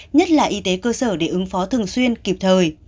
nhất là y tế cơ sở để ứng phó thường xuyên kịp thời